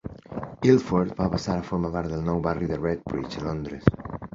Ilford va passar a formar part del nou barri de Redbridge a Londres.